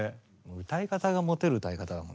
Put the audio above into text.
歌い方がモテる歌い方だもんね。